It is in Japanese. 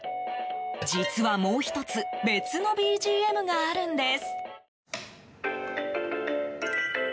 実は、もう１つ別のＢＧＭがあるんです。